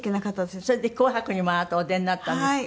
それで『紅白』にもあなたお出になったんですってね。